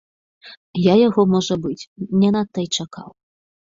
Я яго, можа быць, не надта і чакаў.